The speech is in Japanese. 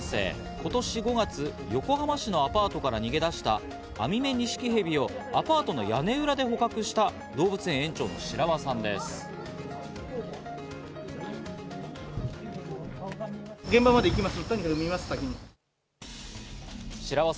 今年５月、横浜市のアパートから逃げ出したアミメニシキヘビをアパートの屋根裏で捕獲した動物園園長の白輪さんです。